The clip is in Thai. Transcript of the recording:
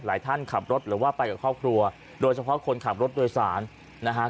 ท่านขับรถหรือว่าไปกับครอบครัวโดยเฉพาะคนขับรถโดยสารนะฮะ